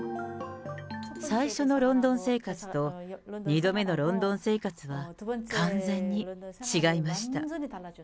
最初のロンドン生活と、２度目のロンドン生活は、完全に違いました。